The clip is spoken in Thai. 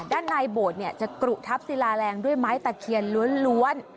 ด้านในโบสถ์จะกรุทับศิลาแรงด้วยไม้ตะเคียนล้วน